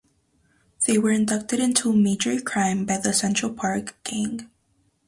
They were inducted into major crime by the Central Park gang.